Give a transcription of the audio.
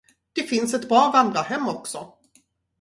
Det finns ett bra vandrarhem också.